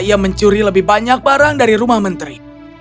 ia mencuri lebih banyak barang dari rumah menteri